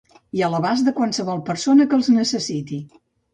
I a l'abast de qualsevol persona que els necessiti.